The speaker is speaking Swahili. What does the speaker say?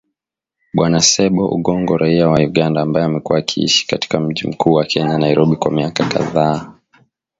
Bwana Ssebbo Ogongo, raia wa Uganda, ambaye amekuwa akiishi katika mji mkuu wa Kenya, Nairobi, kwa miaka kadhaa